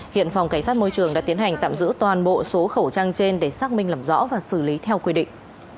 hiện phòng cảnh sát môi trường đã tiến hành tạm giữ toàn bộ số khẩu trang trên để xác minh làm rõ và xử lý theo quy định